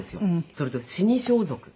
それと死装束。